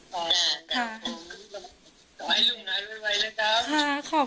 ขอบคุณมากเลยนะคะ